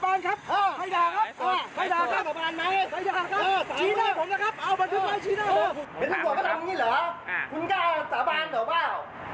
เป็นทุกคนก็ทำแบบนี้เหรอคุณกล้าสาบานเหรอเปล่า